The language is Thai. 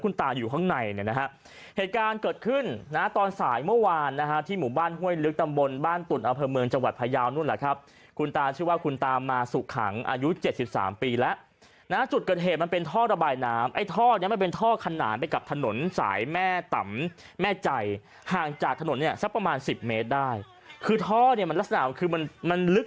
ลุงกะซู่พร้อมโอ้โหเห็นไหมลุงกะซู่พร้อมโอ้โหเห็นไหมลุงกะซู่พร้อมโอ้โหเห็นไหมลุงกะซู่พร้อมโอ้โหเห็นไหมลุงกะซู่พร้อมโอ้โหเห็นไหมลุงกะซู่พร้อมโอ้โหเห็นไหมลุงกะซู่พร้อมโอ้โหเห็นไหมลุงกะซู่พร้อมโอ้โหเห็นไหมลุงกะซู่พร้อมโอ้โหเห็